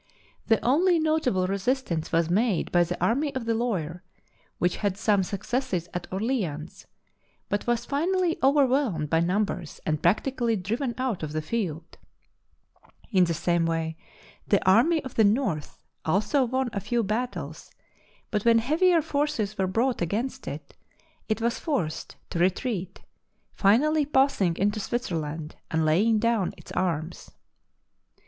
The only nota ble resistance was made by the Army of the Loire, which had some successes at Orleans, but was finally overwhelmed by numbers and practically driven THE BOOK OF FAMOUS SIEGES out of the field. In the same way the Army of the North also won a few battles, but when heavier forces were brought against it, it was forced to re treat, finally passing into Switzerland and laying down its arms.